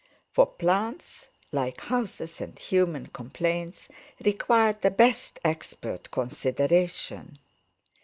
For plants, like houses and human complaints, required the best expert consideration.